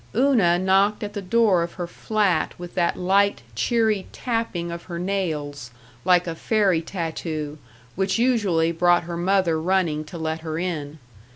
Una knocked at the door of her flat with that light, cheery tapping of her nails, like a fairy tattoo, which usually brought her mother running to let her in.